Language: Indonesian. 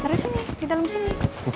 taro sini di dalem sini